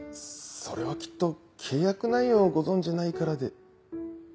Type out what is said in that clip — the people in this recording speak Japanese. それはきっと契約内容をご存じないからで。